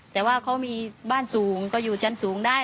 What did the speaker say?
แต่ว่าเขามีบ้านสูงเขาอยู่ชั้นสูงได้